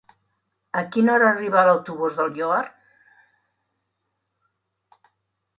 A quina hora arriba l'autobús del Lloar?